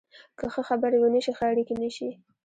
که ښه خبرې ونه شي، ښه اړیکې نشي